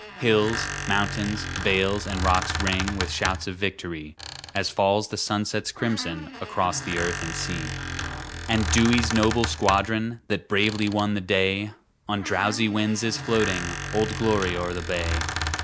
Hills, mountains, vales, and rocks ring With shouts of victory, As falls the sunset's crimson Across the earth and sea. And Dewey's noble squadron, That bravely won the day, On drowsy winds is floating "Old Glory" o'er the bay.